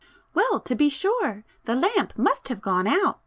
"Well to be sure! The lamp must have gone out!"